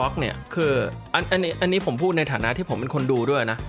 คืออันอันอันนี้อันนี้ผมพูดในฐานะที่ผมเป็นคนดูด้วยน่ะ